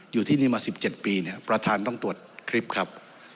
อยู่ที่นี่มา๑๗ปีเนี่ยประธานต้องตรวจคลิปครับ